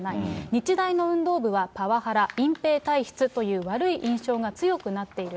日大の運動部はパワハラ、隠蔽体質という悪い印象が強くなっている。